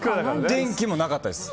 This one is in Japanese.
電気もなかったです。